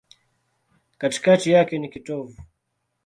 Katikati yake ni kitovu.